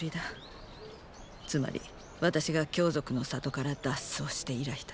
つまり私が羌族の里から脱走して以来だ。